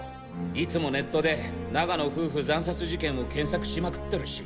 いつもネットで長野夫婦惨殺事件を検索しまくってるし。